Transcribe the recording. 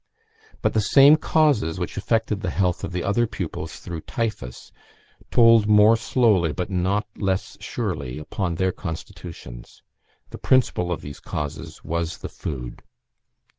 But the same causes, which affected the health of the other pupils through typhus, told more slowly, but not less surely, upon their constitutions. The principal of these causes was the food.